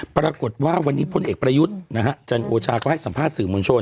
ปรากฏว่าวันนี้พลเอกประยุทธ์นะฮะจันโอชาก็ให้สัมภาษณ์สื่อมวลชน